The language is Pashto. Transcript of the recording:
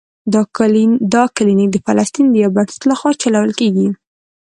دا کلینک د فلسطین د یو بنسټ له خوا چلول کیږي.